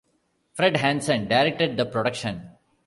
Fred Hanson directed the production.